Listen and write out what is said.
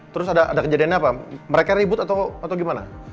terus ada kejadiannya apa mereka ribut atau gimana